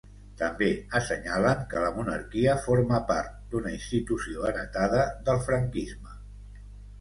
També assenyalen que la monarquia forma part d’una institució heretada del franquisme.